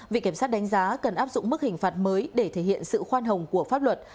viện kiểm sát đánh giá cần áp dụng mức hình phạt mới để thể hiện sự khoan hồng của pháp luật